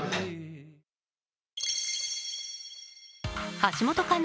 橋本環奈